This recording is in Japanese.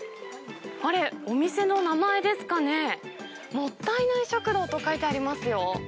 あれ、お店の名前ですかね、もったいない食堂と書いてありますよ。